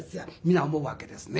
皆思うわけですね。